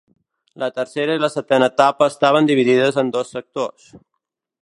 La tercera i la setena etapa estaven dividides en dos sectors.